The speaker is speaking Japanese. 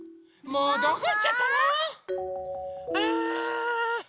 もうどこいっちゃったの？